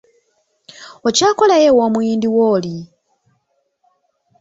Okyakolayo ew'omuyindi wo oli?